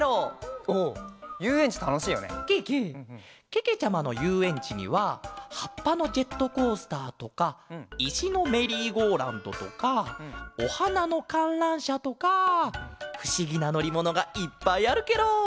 けけちゃまのゆうえんちにははっぱのジェットコースターとかいしのメリーゴーラウンドとかおはなのかんらんしゃとかふしぎなのりものがいっぱいあるケロ！